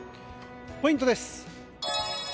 ポイントです。